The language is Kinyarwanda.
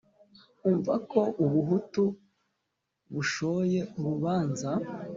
umva ko u buhutu bushoye urubanza,